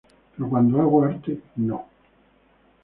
Pero cuando hago arte no.